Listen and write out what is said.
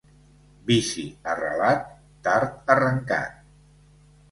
Vici arrelat, tard arrencat.